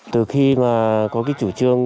từ khi mà có cái chủ trương